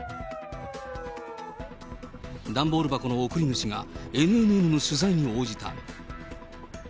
段ボール箱の送り主が、ＮＮＮの取材に応じた。